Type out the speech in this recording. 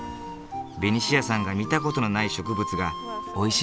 ベニシアさんが見た事のない植物が生い茂っていた。